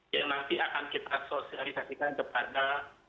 yang nanti akan kita sosialisasikan kepada